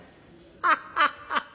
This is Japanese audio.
ハハハハ！